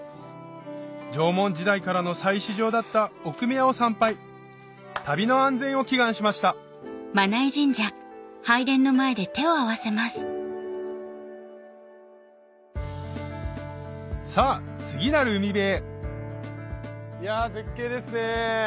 縄文時代からの祭祀場だった奥宮を参拝旅の安全を祈願しましたさぁ次なる海辺へいやぁ絶景ですね。